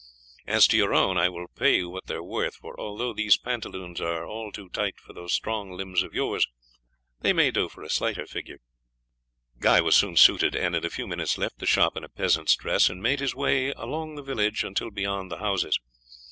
As to your own I will pay you what they are worth, for although those pantaloons are all too tight for those strong limbs of yours they may do for a slighter figure." Guy was soon suited, and in a few minutes left the shop in a peasant's dress, and made his way along the village until beyond the houses.